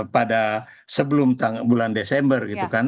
pada sebelum bulan desember gitu kan